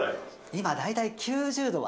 今、大体９０度は。